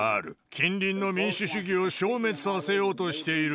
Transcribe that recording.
近隣の民主主義を消滅させようとしている。